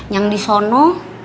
yang di sana